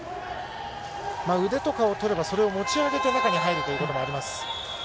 腕と顔を取れば、それを持ち上げて中に入ることができます。